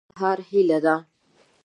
هیواد مې د روڼ سبا هیله ده